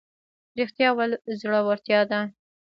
ریښتیا ویل زړورتیا ده